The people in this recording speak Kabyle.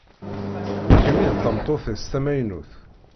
D kemm i d tameṭṭut-is tamaynut.